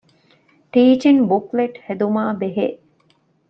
ޓީޗިންގ ބުކްލެޓް ހެދުމާބެހޭ